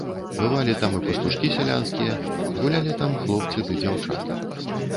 Бывалі там і пастушкі сялянскія, гулялі там хлопцы ды дзяўчаты.